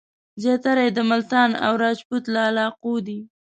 زیاتره یې د ملتان او راجپوت له علاقو دي.